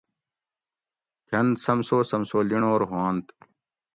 کھۤن سمسو سمسو لِنڑور ہوانت